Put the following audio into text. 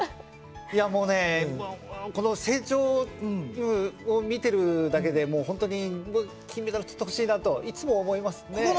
いやもうねこの成長を見てるだけでもう本当に金メダル取ってほしいなといつも思いますね。